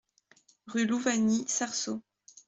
Rue Louvagny, Sarceaux